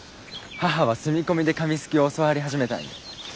母は住み込みで紙すきを教わり始めたんよ。